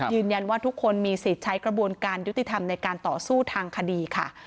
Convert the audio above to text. ยืนยันว่าทุกคนมีสิทธิ์ใช้กระบวนการยุติธรรมในการต่อสู้ทางคดีค่ะ